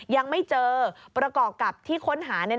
ยังไม่เจอประกอบกับที่ค้นหา